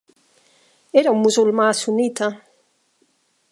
Era un musulmà sunnita.